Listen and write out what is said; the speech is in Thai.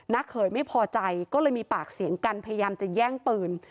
เขยไม่พอใจก็เลยมีปากเสียงกันพยายามจะแย่งปืน